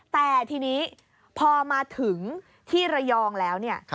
แต่ทีนี้พอมาถึงที่ระยองแล้วเนี่ย